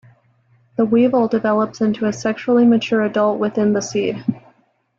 The weevil develops into a sexually mature adult within the seed.